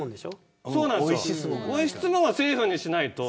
追い質問はセーフにしないと。